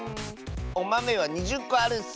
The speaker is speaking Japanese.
おまめは２０こあるッス。